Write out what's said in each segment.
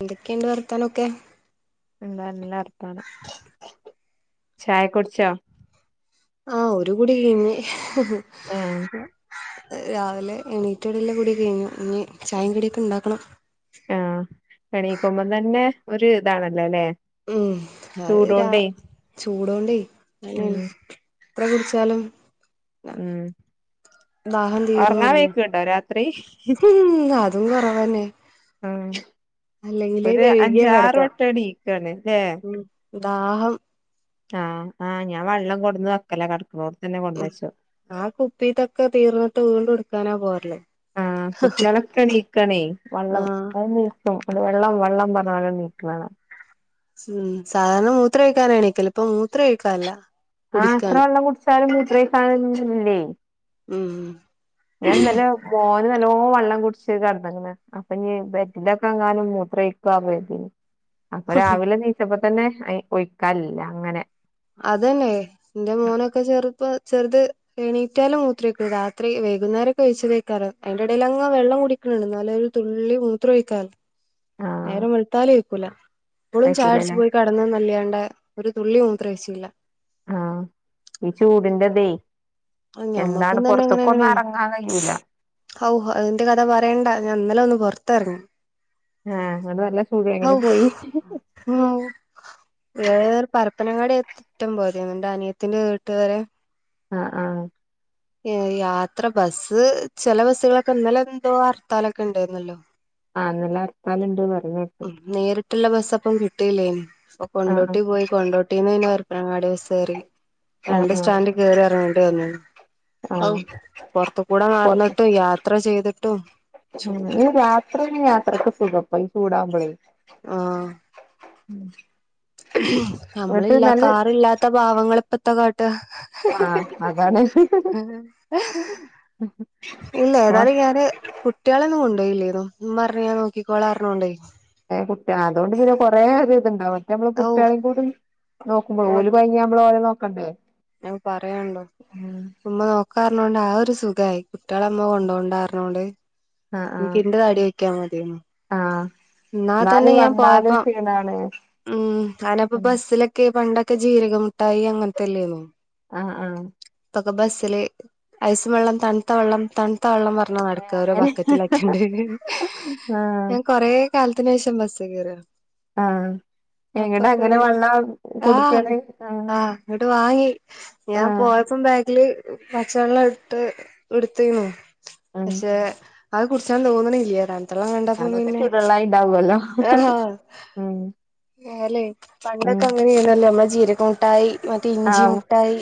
എന്തൊക്കെയുണ്ട് വർത്താനൊക്കെ എന്താ നല്ല വർത്താനം ചായയൊക്കെ കുടിച്ചോ ആഹ് ഒരു കൂടി കഴിഞ്ഞ് ഉം രാവിലെ എണീറ്റ പടിയുള്ള കുടി കഴിഞ്ഞു ഇനി ചായയും കടിയൊക്കെ ഉണ്ടാക്കണം ആഹ് എണീക്കുമ്പോ തന്നെ ഒരു ഇതാണല്ലോ അല്ലെ ഉം അത് രാ ചൂട് കൊണ്ടെ ഉം അങ്ങനെയാണ് എത്ര കുടിച്ചാലും ഉം ദാഹം ഉറങ്ങാൻ തീർണൂല്ല വയ്ക്കുണ്ടോ രാത്രി അതും കൊറവ് തന്നെ ഉം അല്ലെങ്കില് ഒരു വൈകിയാ അഞ്ചാറ് കിടകുക വട്ടം എണീക്കാണ് ല്ലേ ഉം ദാഹം ആഹ് ആഹ് ഞാൻ വെള്ളം കൊണ്ട് വന്ന് വെക്കല കിടക്കുന്നോടത്ത് തന്നെ കൊണ്ടന്ന് വെച്ച് ആഹ് കുപ്പീ ഇതൊക്കെ തീർന്നിട്ട് വീണ്ടും എടുക്കാനാ പോരല് ആഹ് കുട്ടികളൊക്കെ എണീക്കാണേ വള്ളം ആഹ് [unintelligible] അത് വെള്ളം വെള്ളം പറഞ്ഞു എണീക്കണ കാണാം ഉം സാധാരണ മൂത്രം ഒഴിക്കാനാ എണീക്കല് ഇപ്പം മൂത്രം ഒഴിക്കലില്ല ആഹ് എത്ര വെള്ളം കുടിച്ചാലും മൂത്ര ഒഴിക്കാനൊന്നുമില്ലേ ഉം ഞാൻ ഇന്നലെ മോന് നല്ലോ വെള്ളം കുടിച്ച് കിടന്നേക്കണ് അപ്പൊ ഇഞ്ഞി ബെഡിൽ ഒക്കെ എങ്ങാനും മൂത്രം ഒഴിക്കുവോ ആവോ കരുതീനി അപ്പൊ രാവിലെ എണീറ്റപ്പോ തന്നെ ഒഴിക്കാനില്ല അങ്ങനെ അതന്നെ എന്റെ മോനൊക്കെ ചെറുപ്പ ചെറുത് എണീറ്റാലും മൂത്രം ഒഴിക്കില്ല രാത്രി വൈകുന്നേരൊക്കെ ഒഴിച്ചതാക്കരം അതിന്റെ ഇടയിൽ അങ്ങ് വെള്ളം കുടി ക്കണുണ്ട് എന്നാല് ഒരു തുള്ളി മൂത്രം ഒഴിക്കാറില്ല ആഹ് നേരം വെളുത്താലും ഒഴിക്കൂല ഇപ്പോഴും ചായ കുടിച്ചു കഴിക്കൂലല്ലേ പോയി കിടന്നാന്നല്ലാണ്ടേ ഒരു തുള്ളി മൂത്രം ഒഴിച്ചില്ല ആഹ് ഈ ചൂടിന്റെ ഇതേ എന്താണ് ഞമ്മക്കും പുറത്തേക്കൊന്നും ഇറങ്ങാൻ കഴിയൂല്ല ഔഹ് അതിന്റെ കഥ പറയേണ്ട ഞാൻ ഇന്നലെ ഒന്ന് പുറത്തിറങ്ങി ആഹ് അങ്ങോട്ട് നല്ല ചൂട് എങ്ങനെ പോയി ഉം ഏഹ് പറപ്പനങ്ങാടിറ്റം പോതിണ്ട് അനിയത്തിന്റെ വീട്ടുകാര് ആഹ് ആഹ് ഏഹ് യാത്ര ബസ്സ് ചില ബസ്സുകളൊക്കെ ഇന്നലെ എന്തോ ഹർത്താലൊക്കെ ഇണ്ടായിരുന്നല്ലോ ആഹ് ഇന്നലെ ഹർത്താലുണ്ടെന്ന് പറഞ്ഞ് ഉ നേരിട്ടുള്ള ബസ്സ അപ്പം കിട്ടിയില്ലേന് അപ്പൊ ആഹ് കൊണ്ടോട്ടി പോയി കൊണ്ടോട്ടീന്ന് പിന്നെ വെറെ പ്പനങ്ങാടി ബസ്സ് കേറി ആഹ് രണ്ട് ആഹ് സ്റ്റാൻഡിൽ കേറി ഏർങ്ങണ്ടി വന്നു ആഹ് ഔ ആഹ് പൊർത്ത് കൂടെ പൊറത്ത് നടന്നിട്ടും യാത്ര ചെയ്തിട്ടും ചൂട് ത്ര യാത്രക്കെ സുഖം പ്പം ഈ ചൂടാമ്പോളെ ആഹ് ഉം നമ്മളില്ല കാറില്ലാത്ത പാവങ്ങള് ഇപ്പത്താ കാട്ട ആഹ് അതാണ് ഇല്ല ആ ഏതാലും ഞാന് കുട്ടിളൊന്നും കൊണ്ടോയില്ലേന്നു ഇമ്മറ്ഞ്ഞ് ഞാൻ നോക്കിക്കോള റ്ഞ്ഞോണ്ട് ഏ കുട്ടി അതുകൊണ്ട് പിന്നെ കൊറേ ഇത് ത് ഇണ്ടാവ നമ്മള് ഔ കുട്ടിയാളിം കൂടി നോക്കുമ്പള് ഓല് കൊഴങ്ങിയാ നമ്മള് ഓരെ നോക്കണ്ടേ അഹ് പറ യാ ണ്ടോ ഉമ്മ നോക്കാറ്ഞ്ഞോണ്ട് ആ ഒരു സുഖായി കുട്ടിയാളെ ഇമ്മ കൊണ്ടോണ്ടാ റ്ഞ്ഞോണ്ട് ആഹ് ഇൻക്ക് ആഹ് ഇന്റെ തടി നോക്യ മതിയേന്നു ആഹ് ഇന്നാ തന്നെ ഞാൻ പോയപ്പം എന്നാണ് ഉം അനപ്പം ബസ്സിലൊക്കെ പണ്ടൊക്കെ ജീരകമുട്ടായി അങ്ങന്‌ത്തെല്ലേന്നോ ആഹ്ആഹ് ഇപ്പൊക്കെ ബസ്സില് ഐസ് വെള്ളം തണുത്ത വെള്ളം തണുത്ത വെള്ളം പറ ഞ്ഞാ ഏഹ് നടക്ക ഓരോ അങ്ങനെ ബക്കറ്റിലാക്കിയാണ്ട് ആഹ് ഞാൻ കൊറെ കാലത്തിന് ശേഷം ബസ്സ് കേറ ആഹ് എങ്ങടെ അങ്ങനെ അപ്പക്കൊര് വെള്ളം ആഹ് കൊടുക്കാണ് ആഹ് ഇങ്ങട്ട് വാങ്ങി ഞാൻ ആഹ് പോയപ്പം ബേഗില് പച്ചവെള്ളം ഇട്ട് ഇടു ത്തീന്നു ഉം പക്ഷെ അഹ് കുടിച്ചാൻ തോന്ന്ണില്ല തൺ തള്ളം കണ്ടപ്പം അതൊക്കെ പിന്നെ ചൂടുവെള്ളായി ഉണ്ടാവുമല്ലോ ഉം ല്ലെ ഉം പണ്ടൊക്കെ അങ്ങനെണല്ലേ നമ്മള ജീരകമുട്ടായി മറ്റേ ഇഞ്ചി ആഹ് മിഠായി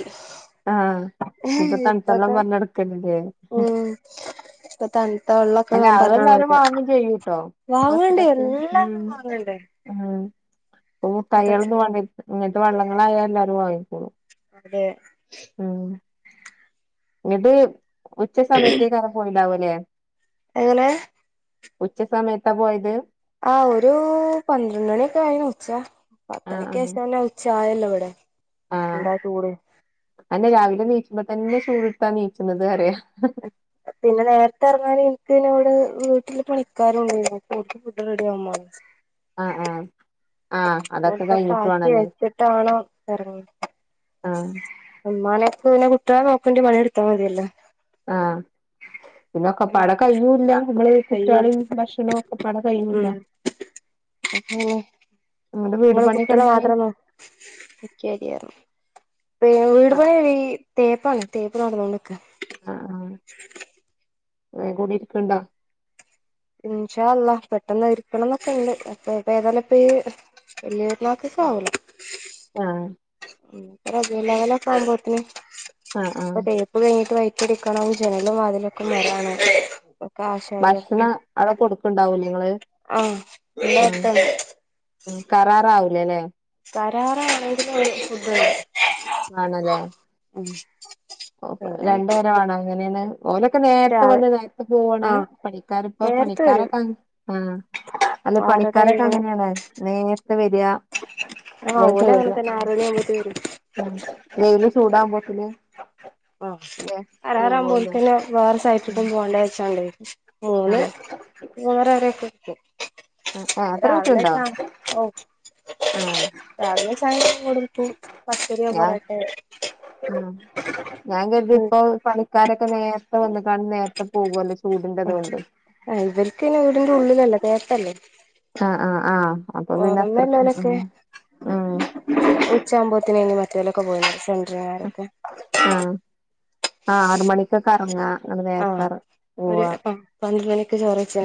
ഇപ്പക്കെ നടക്കലില്ലേ ഉം ഇപ്പൊ തണുത്ത വെള്ളക്കെ അല്ല അതെല്ലാരും പറ്ഞ്ഞാണ്ക്ക്ണേ വാങ്ങും ചെയ്യൂട്ടോ വാങ്ങ്ണ്ട് ബസ്സിലൊക്കെ ഉം എല്ലാരും വാങ്ങണ്ടേ ഉം ഇപ്പ അത തയ്യളന്ന വാങ്ങാ ഇങ്ങൻ ത്തെ വള്ളങ്ങളായ എല്ലാരും വാങ്ങിക്കോളൂ മ്പടെ ഉം ഇത് ഉച്ച സമയത്തേക്കാ രം പോയിണ്ടാവ ല്ലേ എങ്ങനെ ഉച്ച സമയത്താ പോയത് ആ ഒരു പന്ത്രണ്ട് ണിയൊക്കെ ആയിണ് ഉച്ച ആഹ് പത്തണിക്ക് ആഹ് ശേഷം ല്ലേ ഉ ച്ച ആയല്ലേ ഇവിടെ എന്താ ചൂട് അഹന്നെ രാവിലെ നീച്ചുമ്പ തന്നെ ചൂട് ഇട്ത്താ നീച്ച് ണത് അറിയ [inaudible] പിന്നെ നേരത്തെ ഇറങ്ങാൻ ഇൻക്ക് ന്റെ വടെ വീട്ടില് പണിക്കാരും ഉണ്ടേനു അപ്പം ഓൽക്ക് ഫുഡ് റെഡി ആവും മാണം ആഹ്ആഹ് ആഹ് അതൊക്കെ ഓൽക്കൊക്കെ കഴിഞ്ഞിട്ട് ആക്കി വേണല്ലേ വെച്ചിട്ടാണം ഇറങ്ങീത് ആഹ് ഉമ്മാനെ ക്ക് പിന്നെ കുട്ട്യോളെ നോക്കണ്ടയ പണി ട്ത്താ മതിയല്ലോ ആഹ് പിന്നെ അങ്ങനെ ഒക്കപാടെ കയിയൂല്ല നമ്മള് ഈ കുട്ട്യാ കയ്യൂല ളിം ഭക്ഷണവും ഒക്കെ പടെ കയൂല്ല അങ്ങനെ ങ്ങട്ട് വീട് പണിയൊക്കെ എന്തായി വീട്പണി വീ തേപ്പാണ് തേപ്പ് നടന്നോണ്ട് നിക്കാ ആഹ് ആഹ് വേ കൂടി ഇരിക്ക്ണ്ടോ ഇൻഷാ അള്ളാ പെട്ടെന്ന് ഇരിക്കണം ന്നൊക്കെണ്ട് അപ്പൊ ഇപ്പ ഏതായാലും ഇപ്പ ഈ വല്ല്യേ ക്ലാസ്സ്‌ക്കാവൂല. ആഹ. ഉം. റബീഹുൽ അവ്വ്ലൊക്കെ ആകുമ്പോൾതിന്. [unintelligible] ആഹ് ആഹ് ഇത് കയിഞ്ഞിട്ട് വൈറ്റടിക്കണം. ജനലും വാതിലൊക്കെ മരാണ്. കാഷാരിവർക്ക്. ഭക്ഷണം അവിടെ കൊടുക്ക്ണ്ടാവൂലേ ഇങ്ങള് ആഹ പിന്നത്താ? ഉം. കറാറാവൂലല്ലേ? കരാറാണെങ്കിലും ഫുഡ്, - ആണല്ലേ? ഉം. ഓ രണ്ടു പിന്നെ പേരാണോ എങ്ങനെയാണ്. ഓലൊക്കെ നേരത്തെ രാവി വന്ന് നേരത്തെ പോവാണ്. ആഹ് പണിക്കാർ ഇപ്പ നേരത്തെ വരും പണിക്കാരൊക്കെ. ആ. അല്ല ആറര പണിക്കാരൊക്കെ ഏഴുമണി അങ്ങനെയാണ്. നേരത്തെ വരാ. ആ ഓല് അങ്ങനെത്തന്നെ ആറണി ആവുമ്പേതിന് വരും. വെയില് ചൂടാകുമ്പോൾത്തിന്. ആഹ. പോവല്ലോ അലാറാവുമ്പോൽക്കെന്നെ. വേറെ ഉം സൈറ്റക്കും പോകണ്ട വച്ചാണ്ട്. മൂന്ന് ആഹ് മൂന്നര വരൊക്കെരിക്കും. ആ ആ്. അത്ര വിക്ക്ണ്ടോ? ഓ. രാവിവെ ചായ കൊടുത്തു. പത്തിരിയോ ഞാൻ പൊറാട്ടെ, - ഉം. ഞാൻ കരുതി ഉം ഇപ്പൊ പണി. - ക്കാരൊക്കെ നേരത്തെ വന്ന്കാണ്ട് നേരത്തെ പോകല്ലോ ചൂടിന്റെതോണ്ട്. ആ ഇവർക്കയിന് വീടിന്റെ ഉള്ളിലല്ലേ തേപ്പല്ലേ? ആ ആ ആഹ്. അപ്പൊ പിന്നെ അത്രക്കും ഉം ഉം ഉച്ചാവുമ്പോത്തിനായിനി മറ്റോലൊക്കെ പോയിനി. സെന്ററിംഗാരൊക്കെ. ആഹ. ആ ആറ് മണിക്കൊക്കെ ഇറങ്ങാ. ന്നട്ട് നേരത്തെ പോവാ. പന്ത്രണ്ട്ണിക്ക് ചോറയ്ച്ചാ.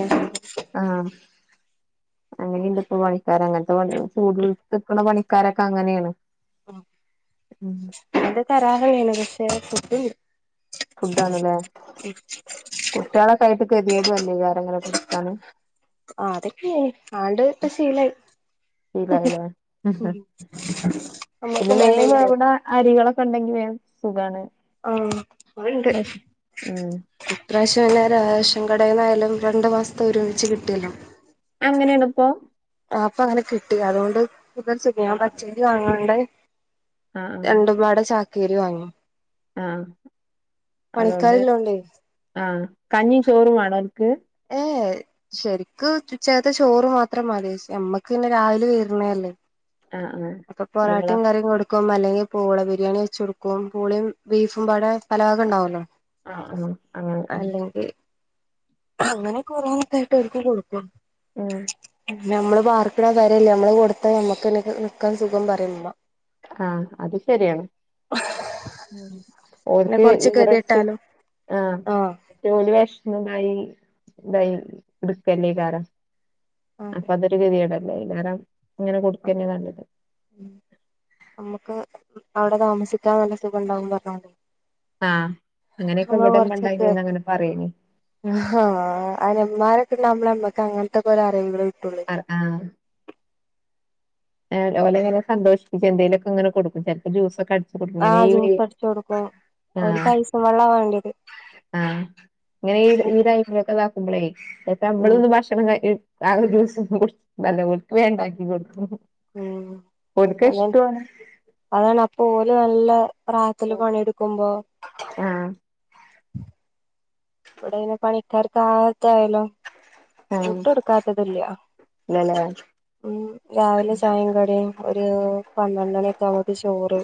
ആഹ. അങ്ങനേണ്ട് ഇപ്പൊ പണിക്കാര്. അങ്ങനത്തെ ചൂടത്ത്ക്കണ പണി. - ക്കാരൊക്കെ അങ്ങനെയാണ്. ഉം അതെ താരാഹ നത്ക്ഷേ കുട്ടന്ണ്ട് [unintelligible] ഫുഡാണ്ല്ലേ? കുട്ട്യാളക്കായിട്ട് കെതിയേടും അല്ലയ്കാരങ്ങളൊക്കെ? ആ അതൊക്കെയി. ആണ്ട് ഇപ്പ ശീലയി. ശീലായില്ലേ. പിന്നെ നമ്മക്കും മേ വേണ്ടല്ലേ എവ്ടെ? അരികളൊക്കെ ഉണ്ടെങ്കി വേം സുഖാണ്. ആഹ. വ്ടെണ്ട്. ഉം ഇപ്രാവശ്യം എല്ലാരും റേഷൻ കടേന്നായാലും രണ്ടു മാസത്തെ ഒരുമിച്ച് കിട്ടിയല്ലോ? അങ്ങനെണ് ഇപ്പോ? ആ അപ്പ അങ്ങനെ കിട്ടി. അതുകൊണ്ട് സുഖ, ഞാൻ ആഹ് പച്ചരി വാങ്ങാണ്ട്. ആഹ് രണ്ടും പാടെ ചാക്കേരി വാങ്ങും ആഹ. അതോണ്ട്, പണിക്കാരില്ലോണ്ടേ ആഹ കഞ്ഞീം ചോറും വാണോര്ക്ക്. ഏയ് ശരിക്ക് ഉച്ചകത്തെ ചോറ് മാത്രം മതി. നമ്മക്ക് പിന്നെ രാവിലെ വരണല്ലേ? ആഹ് ആഹ് അപ്പൊ നിങ്ങളാ പൊറാട്ടിം കറിം കൊടുക്ക- കും അല്ലെങ്കിൽ പൂള ബിരിയാണി വെച്ച് കൊടുക്കും. പൂളയും ബീഫും പാടെ പലവകണ്ടാവോല്ലോ? ആ ഉം അങ്ങനെ. ഉം അങ്ങനെ ക്കൊരോന്നായിട്ട് ഓര്ക്ക് കൊടുക്കും. ഉം. ഞമ്മള് പാർക്കണ പെരല്ലേ, നമ്മള് കൊടുത്താ നമ്മക്ക്ന്നെ നിക്കാൻ സുഖം പറിം ഉമ്മ. ആഹ. അത് ശരിയാണ്. പിന്നെ ഓര്ക്ക് കൊറച്ച് ഈറട്ച്ച്, ഗതികെട്ടാലും ആഹ. ആഹ് ഓൽ വെശ്ന്നതായി ഇതായി നിക്കല്ലേയ്കാരം. അതെ അപ്പൊ അതൊരു വിതിയടല്ലേ ഇല്ലരം ഇങ്ങനെ കൊടുക്കന്നേ നല്ലത് ഉം അമ്മക്ക് അവിടെ താമസിക്കാൻ നല്ല സുഖണ്ടാവൂന്ന് പറഞ്ഞാ മതി ആഹ് അങ്ങനെയൊക്കെ ഇവിടന്നെ കൊറച്ചൊക്കെ ഉണ്ടായിനീന്ന് അങ്ങനെ പറയനീ ആഹ് ഹാ അയിന് ഉമ്മാരക്കുണ്ടാവുമ്പളെ അമ്മക്ക് അങ്ങനത്തെ കൊറെ അറിവുകള് കിട്ടുള്ളു ആഹ് ആഹ് ഏഹ് ഓലെ ഇങ്ങനെ സന്തോഷിപ്പിച്ച് എന്തേലൊക്കെ ഇങ്ങനെ കൊടുക്കും ചെലപ്പോ ജൂസൊക്കെ അട് ആഹ് ജ്യൂസ് അടിച്ചു കൊടുക്കും ഓരിക്ക് ആഹ് ഐസും വെള്ളാ വേണ്ടത് ആഹ് ഇങ്ങനെ ഈയിടെ ഈടായിട്ട് നിങ്ങക്ക് ഇതാക്കുമ്പളേ ഇതിപ്പ ഉം അമ്മള് ഭക്ഷണം കഴി ഇഹ് ആകെ ജ്യൂസ് [unintelligible] എന്നാലും ഓൾക്ക് വേ ണ്ടാക്കി കൊടുക്കും ഉം ഓർക്കത് അതെ ഇഷ്ടോണ് അതാണ് അപ്പൊ ഓല് നല്ല പ്രായത്തില് പണിയെടുക്കുമ്പോ ആഹ് ഇവിടെ ഇനി പണിക്കാർക്ക് ആ ഇതായല്ലോ ആഹ് ഫുഡ് കൊടുക്കാത്തത് അല്ലിയോ ഇല്ലല്ലേ ഉം രാവിലെ ചായേം കടീം ഒരു പന്ത്രണ്ട് മണിയൊക്കെ ആവുമ്പത്തെ ചോറ്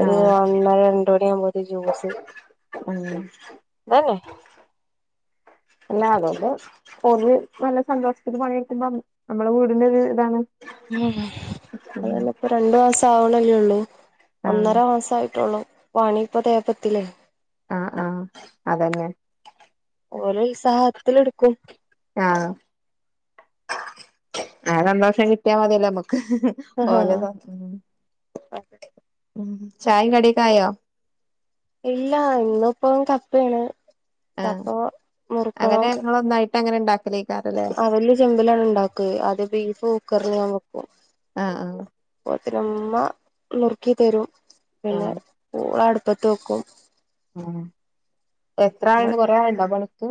ഒരു ഒന്നര രണ്ട് മണിയാവുമ്പോ ഉം ഇതന്നെ എല്ലാം അകോല്ലോ ഓര് നല്ല സന്തോഷത്തില് പണിയെക്കുമ്പോ നമ്മള വീടിനൊരു ഇതാണ് [unintelligible] അതല്ല ഇപ്പ രണ്ടു മാസം ആവണല്ലേ ഒള്ളൂ ആഹ് ഒന്നര മാസായിട്ടേ ഒള്ളൂ പണീപ്പ തേപ്പ് എത്തീലെ ആഹ് ആഹ് അതന്നെയാണ് ഓര് ഉത്സാഹത്തില് എടുക്കും ആഹ് ആ സന്തോഷം കിട്ടിയാ മതിയല്ലേ നമുക്ക് ആഹാ ഓല സ ഉം ഉം ചായേം കടിയൊക്കെ ആയോ ഇല്ല ഇന്നിപ്പൊം കപ്പേണ് ആഹ് കപ്പ റോ മുറിക്കണം അങ്ങനെ നിങ്ങള് ഒന്നായിട്ട് അങ്ങന ഇണ്ടാ [unintelligible] ആഹ് വല്യ ചെമ്പിലങ്ങട് ഇണ്ടാക്കുവേ ആദ്യം ബീഫ് കുക്കറില് ഞാൻ വെക്കും ആഹ് ആഹ് പ്പോത്തിന് ഉമ്മ നുറുക്കി തരും പിന്നെ ആഹ് പൂള അടുപ്പത്ത് വെക്കും ആഹ് ഇപ്പ എത്ര ആളുണ്ട് കൊറെ ആളുണ്ടോ പണിക്ക്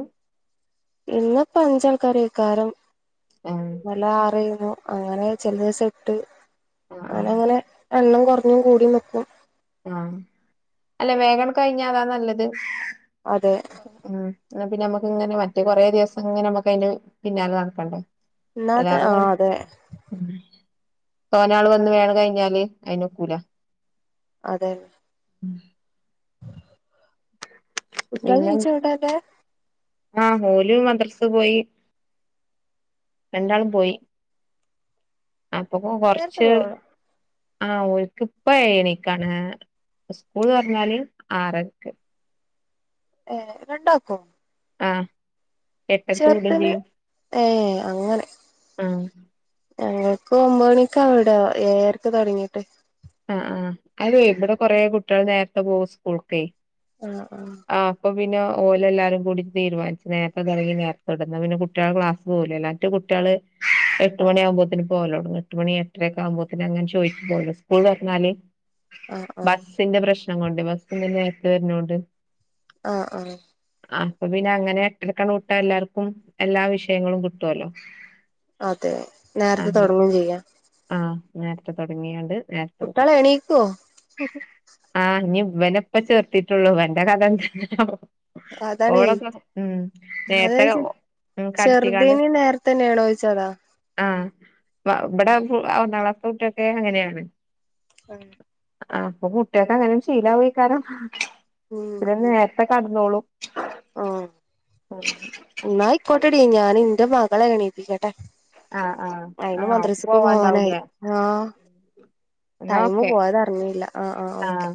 ഇന്ന്പ്പം അഞ്ചാൾക്കാര് കാരം ഏഹ് ഇന്നലെ ആറേയിരുന്നു അങ്ങനെ ചെല ദിവസം എട്ട് ആഹ് അങ്ങന ആഹ് അങ്ങനെ എണ്ണം കൊറഞ്ഞും കൂടിയും നിക്കും ആഹ് അല്ല വേഗം അങ്ങട് കഴിഞ്ഞാ അതാ നല്ലത് അതെ ഉം എന്നാ പിന്നെ അമ്മക്ക് ഇങ്ങനെ മറ്റേ കൊറേ ദിവസം ഇങ്ങനെ അമ്മക്ക് അതിന്റെ പി പിന്നാലെ നടക്കണ്ടേ ഇന്നാത്തെ ആഹ് അതെ [unintelligible] ഉം തോനെ ആള് വന്ന് വേഗം കഴിഞ്ഞാല് അയിന് ഒക്കൂല അതെ ഉം കുട്ട്യള് പിന്നെ [unintelligible] ആഹ് ഓല് മദ്രസ പോയി രണ്ടാളും പോയി അപ്പപ്പൊ നേരത്തെ കൊറച്ച് പോകണം ആഹ് ഓർക്ക് ഇപ്പ ഏഴരക്കാണ് സ്കൂൾ തൊറഞ്ഞാല് ആറരക്ക് ഏഹ് രണ്ടാക്കും ആഹ് എട്ടരക്ക് വിടും ചെർതിന് ചെയ്യും ഏഹ് അങ്ങനെ ആഹ് ഞങ്ങൾക്ക് ഒമ്പത് മണീക്ക ആവും ഇവിട ഏഴരക്ക് തൊടങ്ങീട്ട് ആഹ് അഹ് അതെ ഇവിടെ കൊറെ കുട്ടികൾ നേരത്തെ പോകും സ്കൂൾക്കെ ആഹ് ആഹ് ആഹ് അപ്പ പിന്നെ ഓല് എല്ലാരും കൂടി തീരുമാനിച്ച് നേരത്തെ തുടങ്ങി നേരത്തെ വിടാന്ന്, പിന്നെ കുട്ടികളെ ക്ലാസ് പോവൂലല്ലോ മറ്റേ കുട്ടികള് എട്ട് ആഹ് മണിയാമ്പോത്തന് പോകാല്ലോവിടന്ന്, എട്ട് മണി എട്ടര ഒക്കെ ആകുമ്പോത്തിന് അങ്ങനെ ചോയിക്കുവല്ലോ സ്കൂൾ തുറന്നാല് ആഹ് ആഹ് ബസിന്റെ പ്രശ്നം കൊണ്ട് ബസ്സ് പിന്നെ നേരത്തെ വരുന്നോണ്ട് ആഹ് ആഹ് ആഹ് അപ്പൊ പിന്നെ അങ്ങനെ എട്ടരക്കങ്ങ് വിട്ടാൽ എല്ലാർക്കും എല്ലാ വിഷയങ്ങളും കിട്ടുവല്ലോ അതെ നേരത്തെ ആഹ് തുടങ്ങയും ചെയ്യാം ആഹ് നേരത്തെ തുടങ്ങിയോണ്ട് കുട്ടികള് എണീക്കുവോ ആഹ് ഇനി ഇവനെ ഇപ്പ ചേർത്തിട്ടുള്ളൂ ഇവന്റെ കഥ എന്താന്ന് അതാണേ ഓളൊക്ക ഉം നേരത്തേ ചെറുതേനി നേരത്തെ തന്നെയാണോദിച്ചതാ ആഹ് ഇവിടെ ഒന്നാം ക്ലാസ്കുട്ടിയ്ക്ക് അങ്ങനെയാണ് ആഹ് ആഹ് അപ്പൊ കുട്ടികങ്ങനെ ശീലാവുമീകാലം ചില നേര ഉം നേരത്തെ കടന്നോളും എന്നായിക്കോട്ടെടീ, ഞാൻ എന്റെ മകളെ എണീപ്പിക്കട്ടെ ആഹ് ആഹ് അയിന് ആഹ് ഓക്ക് മദ്രസക്ക് പോവാനായി പോവാണ്ടാവൂലേ ആഹ് എന്നാ ടൈമ് ഓക്കെ പോയതറിഞ്ഞില്ല, ആഹ് ആഹ് ഓക്കേ